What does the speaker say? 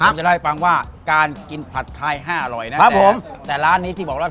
เราจะได้ฟังว่าการกินผัดไทยห้าอร่อยนะครับครับผมแต่ร้านนี้ที่บอกว่า